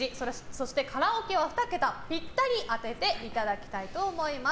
そしてカラオケは２桁ぴったり当てていただきたいと思います。